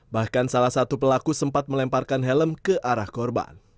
bahkan salah satu pelaku sempat melemparkan helm ke arah korban